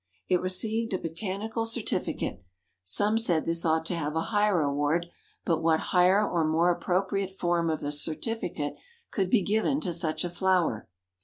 It received a Botanical Certificate; some said this ought to have a higher award, but what higher or more appropriate form of a certificate could be given to such a flower.